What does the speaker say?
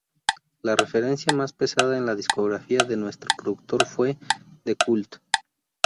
La referencia más pesada en la discografía de nuestro productor fue "The Cult".